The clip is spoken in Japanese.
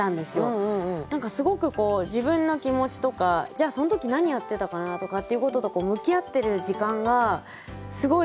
何かすごくこう自分の気持ちとかじゃあその時何やってたかなとかっていうことと向き合ってる時間がすごい